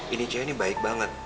ini cewek ini baik banget